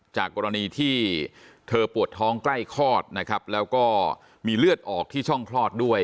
จากกรณีที่เธอปวดท้องใกล้คลอดนะครับแล้วก็มีเลือดออกที่ช่องคลอดด้วย